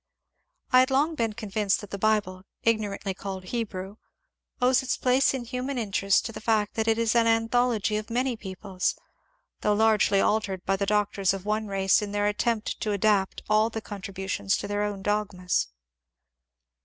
I had long been convinced that the Bible, ignorantly called Hebrew, owes its place in human interest to the fact that it is an anthology of many peoples, though largely altered by the doctors of one race in their at tempt to adapt all the contributions to their own dogmas.